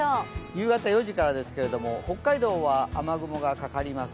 夕方４時からですけど北海道は雨雲がかかります。